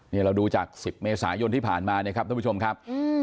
นี่เราดูจาก๑๐เมษายนที่ผ่านมาเนี่ยครับท่านผู้ชมครับ